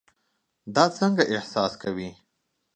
دا څنګه احساس کوي؟